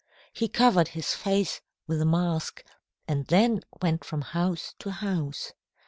He covered his face with a mask, and then went from house to house.